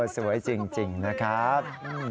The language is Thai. สวยจริงนะครับ